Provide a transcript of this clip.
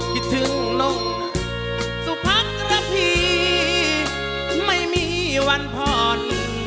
คิดถึงนมสุพักระพีไม่มีวันผ่อน